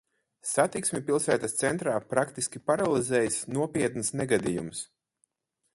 Satiksmi pilsētas centrā praktiski paralizējis nopietns negadījums.